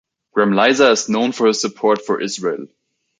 Gremliza is known for his support for Israel.